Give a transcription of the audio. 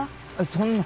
そんな！